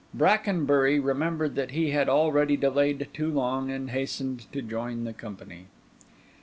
Brackenbury remembered that he had already delayed too long, and hastened to join the company.